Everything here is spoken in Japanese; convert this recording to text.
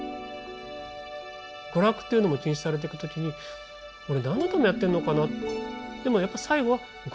娯楽というのも禁止されてく時に俺何のためやってんのかな。